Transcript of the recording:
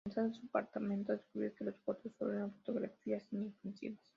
Al regresar a su apartamento, descubrió que las fotos solo eran fotografías inofensivas.